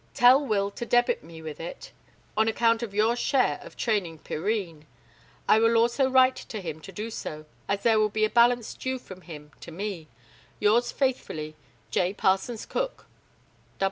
Tell Will to debit me with it on account of your share of training Pyrrhine. I will also write to him to do so, as there will be a balance due from him to me. Yours faithfully, "J. PARSONS COOK."